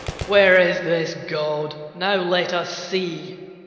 "Where is this God? Now let us see."